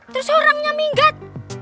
terus orangnya minggat